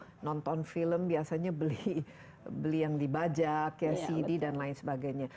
kalau nonton film biasanya beli yang dibajak ya cd dan lain sebagainya